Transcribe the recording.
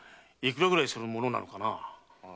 いくらぐらいするものなのかな？